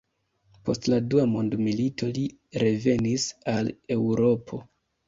Post la dua mondmilito li revenis al Eŭropo.